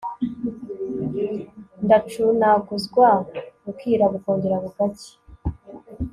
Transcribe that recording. ndacunaguzwa bukira bukongera bugacya